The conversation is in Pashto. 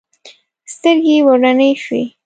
سترګې یې وروڼې شوې.